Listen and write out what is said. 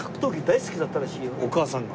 お母さんが？